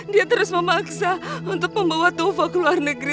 dia terus memaksa untuk membawa tovo ke luar negeri